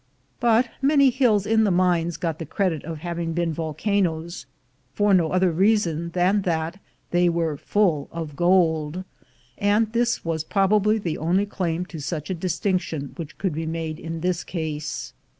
But many hills in the mines got the credit of having been volcanoes, for no other reason than that they were full of gold; and this was probably the only claim to such a distinction which could be made in this case.